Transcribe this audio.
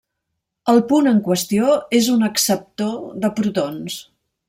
El punt en qüestió és un acceptor de protons.